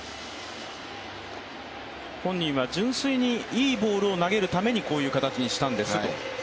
本人は純粋にいいボールを投げるためにこういう形にしたんですと。